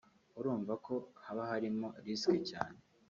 urumva ko haba harimo risques cyane